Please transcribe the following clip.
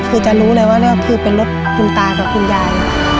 คือรู้เลยทำรถคุณตาผมของคุณยาย